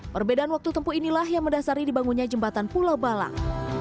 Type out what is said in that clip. perbedaan waktu tempuh inilah yang mendasari dibangunnya jembatan pulau balang